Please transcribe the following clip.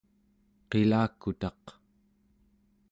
qilakutaq